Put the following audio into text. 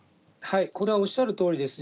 これはおっしゃるとおりですね。